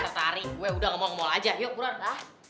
ketari gue udah ngomong mall aja yuk burundung lah